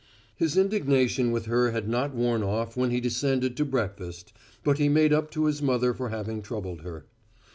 His indignation with her had not worn off when he descended to breakfast, but he made up to his mother for having troubled her.